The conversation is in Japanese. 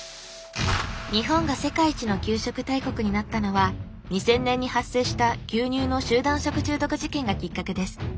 日本が世界一の給食大国になったのは２０００年に発生した牛乳の集団食中毒事件がきっかけです。